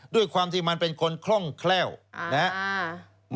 ด้วยความที่มันเป็นคนคล่องแคล่วนะครับ